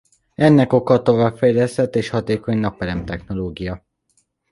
Ennek oka a továbbfejlesztett és hatékony napelem-technológia.